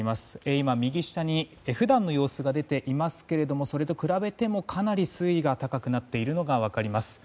今、右下に普段の様子が出ていますがそれと比べてもかなり水位が高くなっているのが分かります。